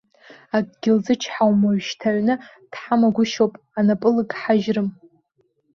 Акгьы лзычҳауам, уажәшьҭа аҩны дҳамагәышьоуп, анапы лыгҳажьрым!